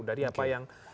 dari apa yang disampaikan